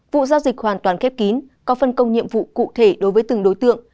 vụ giao dịch hoàn toàn khép kín có phân công nhiệm vụ cụ thể đối với từng đối tượng